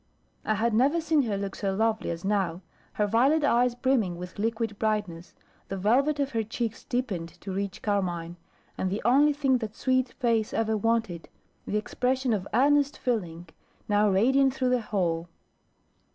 I had never seen her look so lovely as now, her violet eyes brimming with liquid brightness, the velvet of her cheeks deepened to rich carmine, and the only thing that sweet face ever wanted, the expression of earnest feeling, now radiant through the whole.